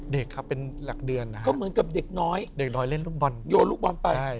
เด็กครับเป็นหลักเดือนนะฮะก็เหมือนกับเด็กน้อยเด็กน้อยเล่นลูกบอลโยนลูกบอลไป